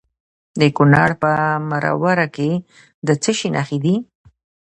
د کونړ په مروره کې د څه شي نښې دي؟